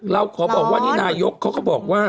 เราขอบอกว่านี่นายกเขาก็บอกว่า